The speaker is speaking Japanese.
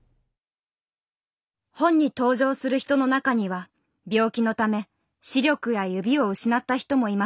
本に登場する人の中には病気のため視力や指を失った人もいました。